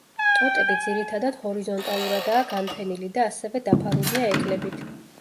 ტოტები ძირითადად ჰორიზონტალურადაა განფენილი და ასევე დაფარულია ეკლებით.